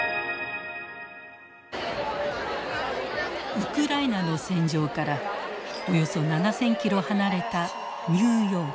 ウクライナの戦場からおよそ７，０００キロ離れたニューヨーク。